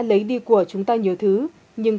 lấy đi của chúng ta nhiều thứ nhưng